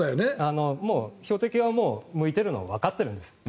もう標的はもう向いてるのはわかってるんです。